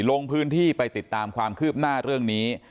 ลงพื้นที่ไปติดตามความคืบหน้าเรื่องนี้